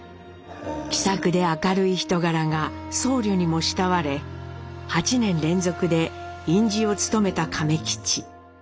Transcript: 気さくで明るい人柄が僧侶にも慕われ８年連続で院士を務めた亀吉。